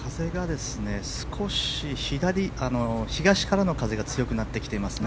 東からの風が強くなってきています。